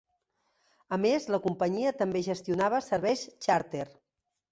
A més, la companyia també gestionava serveis xàrter.